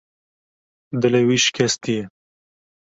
Dilê wî şikestî ye.